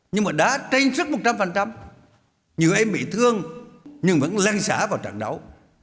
nhưng mà đã tranh sức một trăm linh nhiều em bị thương nhưng vẫn lan sả vào trận đấu